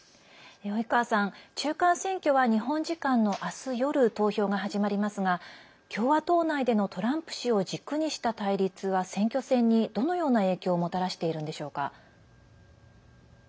及川さん中間選挙は日本時間の明日夜投票が始まりますが共和党内でのトランプ氏を軸にした対立は選挙戦に、どのような影響をもたらしているんでしょうか。